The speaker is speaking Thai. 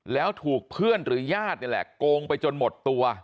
แล้วถูกเพื่อนหรือญาตินี่แหละโกงไปจนหมดตัว